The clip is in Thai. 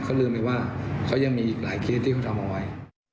เขาลืมเลยว่าเขายังมีอีกหลายเคสที่เขาทำเอาไว้